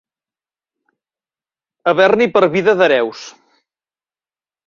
Haver-n'hi per vida d'hereus.